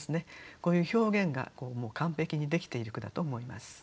こういう表現が完璧にできている句だと思います。